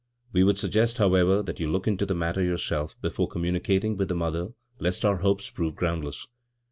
We would suggest, however, that you look into the matter yourself before communi cating with the mother, lest our hopes prove groundless.